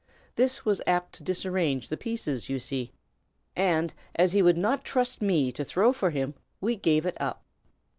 This was apt to disarrange the pieces, you see; and as he would not trust me to throw for him, we gave it up."